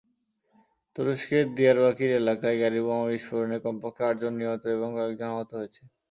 তুরস্কের দিয়ারবাকির এলাকায় গাড়িবোমা বিস্ফোরণে কমপক্ষে আটজন নিহত এবং কয়েকজন আহত হয়েছেন।